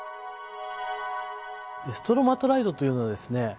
ストロマトライトというのはですね